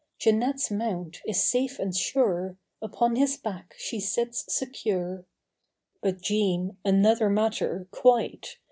Jeanette's mount is safe and sure, Upon his back she sits secure. But Jean—another matter, quite!